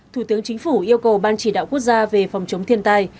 thủ tướng chính phủ yêu cầu ban chỉ đạo quốc gia về phòng chống thiên tai